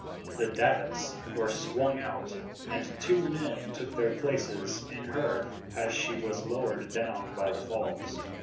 The davits were swung out, and two men took their places in her as she was lowered down by the falls.